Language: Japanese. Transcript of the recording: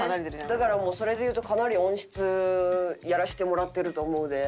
だからそれでいうとかなり温室やらせてもらってると思うで。